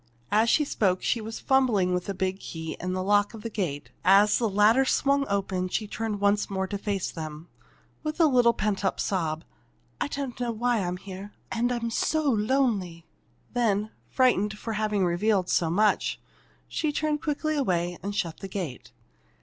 As she spoke she was fumbling with the big key in the lock of the gate, and as the latter swung open, she turned once more to face them, with a little pent up sob: "I don't know why I'm here and I'm so lonely!" Then, frightened at having revealed so much, she turned quickly away and shut the gate.